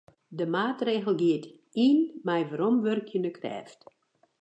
De maatregel giet yn mei weromwurkjende krêft.